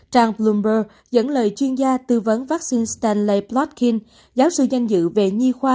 trang bloomberg dẫn lời chuyên gia tư vấn vắc xin stanley plotkin giáo sư danh dự về nhi khoa